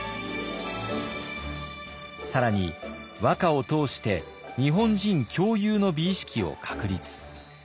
更に和歌を通して日本人共有の美意識を確立。